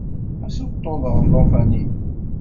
Ad ssuṭuḍeɣ llufan-inu.